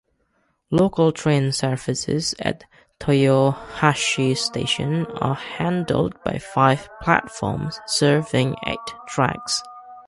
Local train services at Toyohashi Station are handled by five platforms serving eight tracks.